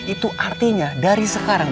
itu artinya dari sekarang